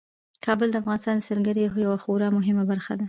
کابل د افغانستان د سیلګرۍ یوه خورا مهمه برخه ده.